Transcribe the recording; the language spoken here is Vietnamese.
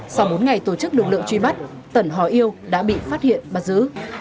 sau bốn ngày tổ chức lực lượng truy bắt tần hò yêu đã bị phát hiện bắt giữ